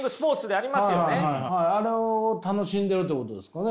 あれを楽しんでるってことですかね？